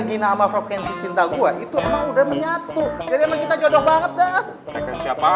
gini nama vokensi cinta gua itu mau udah menyatu jadi kita jodoh banget deh siapa